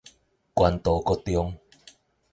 關渡國中